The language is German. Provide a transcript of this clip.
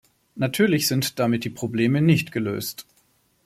Natürlich sind damit die Probleme nicht gelöst.